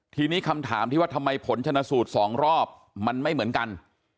ทีนี้คำถามที่ว่าทำไมผลชนะสูตร๒รอบมันไม่เหมือนกัน